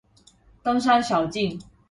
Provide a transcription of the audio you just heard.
登山小徑